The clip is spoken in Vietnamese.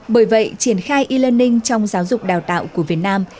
bởi vậy triển khai e learning trong giáo dục đào tạo của việt nam